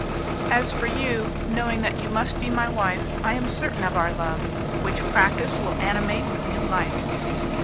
As for you, knowing that you must be my wife, I am certain of our love, which practice will animate with new life.